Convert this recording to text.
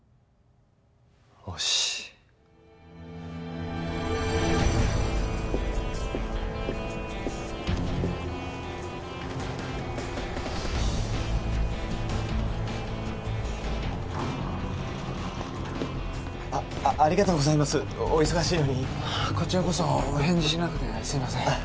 おしああありがとうございますお忙しいのにこちらこそお返事しなくてすいません